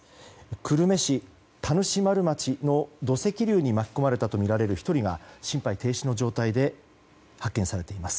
久留米市田主丸町の土石流に巻き込まれたとみられる１人が心肺停止の状態で発見されています。